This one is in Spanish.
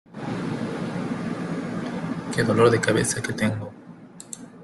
¡Qué dolor de cabeza que tengo!